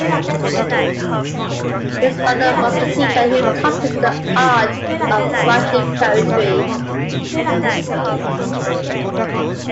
His father was the teacher who taught him the art of writing poetry.